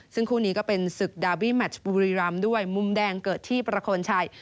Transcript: ซึ่งคู่นี้ก็เป็นศึกดาบี้แมชบุรีรำด้วยมุมแดงเกิดที่ประโคนชัย